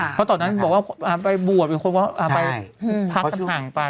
เพราะตอนนั้นบอกว่าไปบวชเป็นคนไปพักกันห่างไป